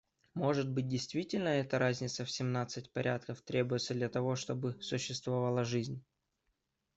Может быть, действительно, эта разница в семнадцать порядков требуется для того, чтобы существовала жизнь.